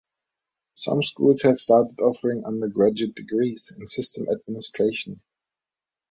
Some schools have started offering undergraduate degrees in System Administration.